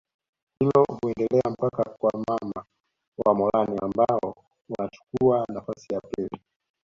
Hilo huendelea mpaka kwa mama wa morani ambao wanachukuwa nafasi ya pili